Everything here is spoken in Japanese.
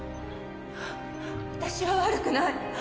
私は悪くない。